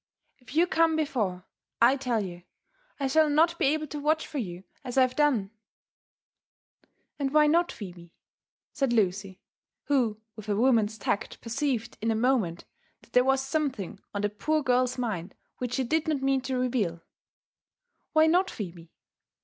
If you oome before, I tell you 1 shall not be able to watch for you as I have done." " And why not, Phebe?" said Lucy, who with a woman's tact per ceived in a moment that there was something on the poor girl's mind which she did not mean to reveal —" Why not, Phebe?